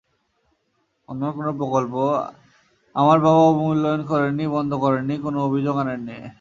ওনার কোনো প্রকল্প আমার বাবা অবমূল্যায়ন করেননি, বন্ধ করেননি, কোনো অভিযোগ আনেননি।